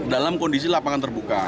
dalam kondisi lapangan terbuka